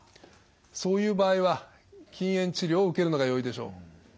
そういう場合は禁煙治療を受けるのがよいでしょう。